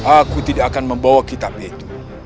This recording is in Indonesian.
aku tidak akan membawa kitab itu